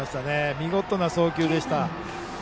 見事な送球でした。